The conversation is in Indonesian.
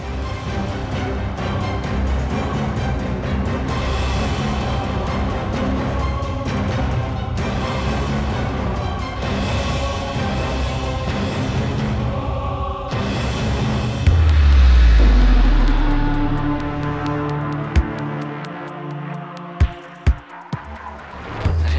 badan paham bahkan orang topik